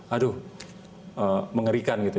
aduh mengerikan gitu